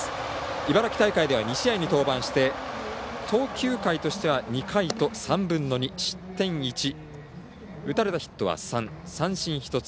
茨城大会では２試合に登板して投球回としては、２回と３分の２失点１、打たれたヒットは３三振１つ。